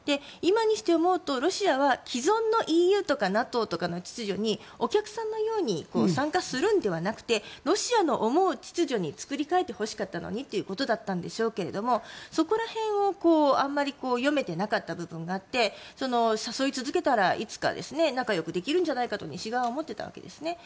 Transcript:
今にして思うとロシアは既存のＥＵとかＮＡＴＯとかの秩序にお客さんのように参加するのではなくてロシアの思う秩序に作り替えてほしかったのにということだったんでしょうけどそこら辺をあまり読めてなかった部分があって誘い続けたら、いつか仲よくできるんじゃないかと西側は思っていたわけです。